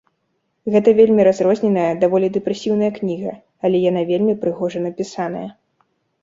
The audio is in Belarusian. Гэта вельмі разрозненая, даволі дэпрэсіўная кніга, але яна вельмі прыгожа напісаная.